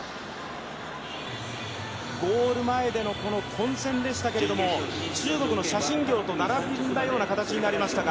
ゴール前での混戦でしたけれど、中国のシャ・シンギョウと並んだような形になりました。